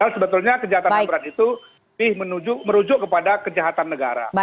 sebetulnya kejahatan berat itu merujuk kepada kejahatan negara